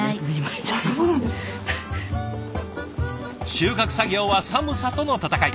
収穫作業は寒さとの闘い。